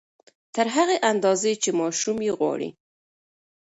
تر هغې اندازې چې ماشوم يې غواړي